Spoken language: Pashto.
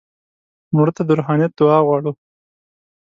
مړه ته د روحانیت دعا غواړو